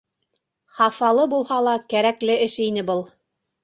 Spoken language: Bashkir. Хафалы булһа ла, кәрәкле эш ине был.